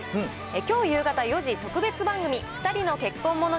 きょう夕方４時、特別番組、２人の結婚物語